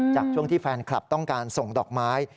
ช่วงที่แฟนคลับต้องการส่งดอกไม้